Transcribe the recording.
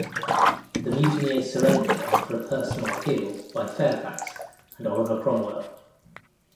The mutineers surrendered after a personal appeal by Fairfax and Oliver Cromwell.